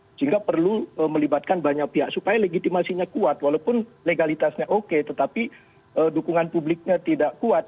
sehingga perlu melibatkan banyak pihak supaya legitimasinya kuat walaupun legalitasnya oke tetapi dukungan publiknya tidak kuat